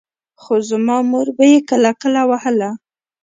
خو زما مور به يې کله کله وهله.